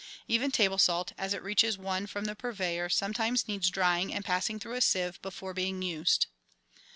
Even table salt, as it reaches one from the purveyor, sometimes needs drying and passing through a sieve before being used.